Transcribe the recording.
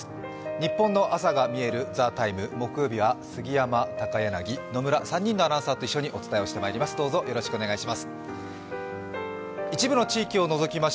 ニッポンの朝がみえる「ＴＨＥＴＩＭＥ，」木曜日は杉山、高柳、野村、３人のアナウンサーと一緒にお伝えをしてまいります、よろしくお願いします。